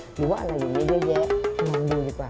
หรือว่าอะไรอยู่ในเยอะมองดูดีกว่า